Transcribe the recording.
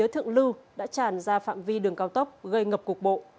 thượng lưu đã tràn ra phạm vi đường cao tốc gây ngập cục bộ